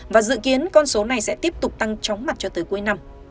và dự kiến con số này sẽ tiếp tục tăng chóng mặt cho tới cuối năm